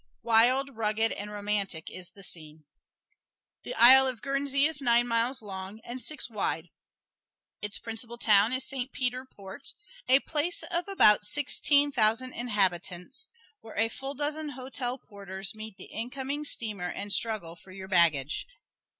Wild, rugged and romantic is the scene. The Isle of Guernsey is nine miles long and six wide. Its principal town is Saint Peter Port, a place of about sixteen thousand inhabitants, where a full dozen hotel porters meet the incoming steamer and struggle for your baggage.